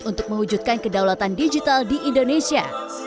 untuk mewujudkan kedaulatan digital di indonesia